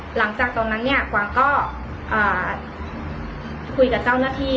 หลังจากนั้นเนี่ยกวางก็คุยกับเจ้าหน้าที่